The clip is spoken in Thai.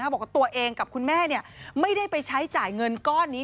บอกว่าตัวเองกับคุณแม่ไม่ได้ไปใช้จ่ายเงินก้อนนี้